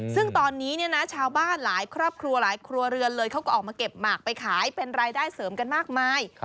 ซึ่งตอนนี้เนี่ยนะชาวบ้านหลายครอบครัวหลายครัวเรือนเลยเขาก็ออกมาเก็บหมากไปขายเป็นรายได้เสริมกันมากมาย